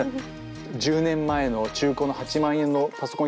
１０年前の中古の８万円のパソコン